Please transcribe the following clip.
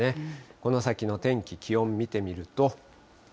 この先の天気、気温を見てみると。